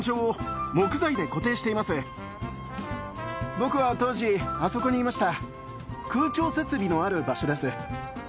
僕は当時あそこにいました。